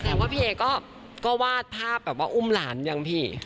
ว่าพี่เอก็วาดภาพแบบว่าอุ้มหลานยังพี่